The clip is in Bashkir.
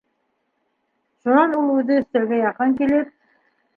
Шунан ул үҙе өҫтәлгә яҡын килеп: